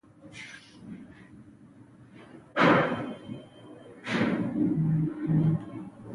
دوی د اداري سلسله مراتبو تر رهبرۍ لاندې وي.